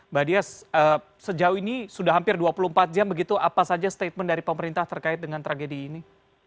mbak dias sejauh ini sudah hampir dua puluh empat jam begitu apa saja statement dari pemerintah terkait dengan tragedi ini